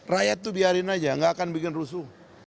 rakyat itu biarin aja gak akan bikin rusuh